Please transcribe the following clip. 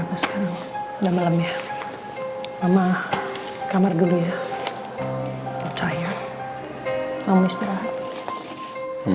ini juga mernah rapat mak